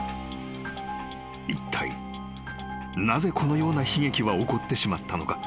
［いったいなぜこのような悲劇は起こってしまったのか？］